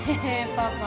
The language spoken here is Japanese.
パパ